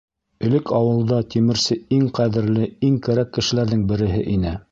Элек ауылда тимерсе иң ҡәҙерле, иң кәрәк кешеләрҙең береһе ине.